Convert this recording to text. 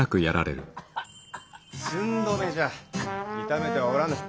寸止めじゃ痛めてはおらぬ。